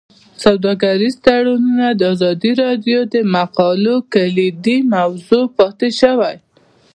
سوداګریز تړونونه د ازادي راډیو د مقالو کلیدي موضوع پاتې شوی.